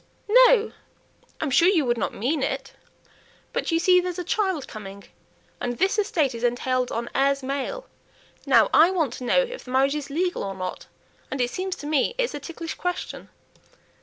"No! I'm sure you would not mean it; but, you see, there's a child coming, and this estate is entailed on 'heirs male.' Now, I want to know if the marriage is legal or not? and it seems to me it's a ticklish question."